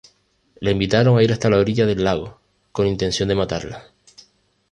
La invitaron a ir hasta la orilla del lago, con intención de matarla.